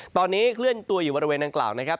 ตอนนี้เคลื่อนตัวอยู่บริเวณดังกล่าวนะครับ